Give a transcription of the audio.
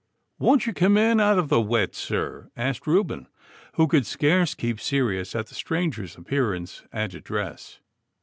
'Won't you come in out of the wet, sir?' asked Reuben, who could scarce keep serious at the stranger's appearance and address.